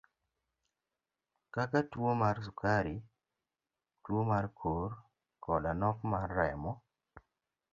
Kaka tuo mar sukari, tuo mar kor koda nok mar remo.